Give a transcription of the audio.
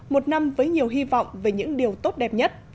một năm với nhiều hy vọng về những điều tốt đẹp nhất